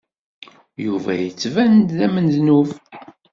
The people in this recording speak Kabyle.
Yuba yettban-d d amednub.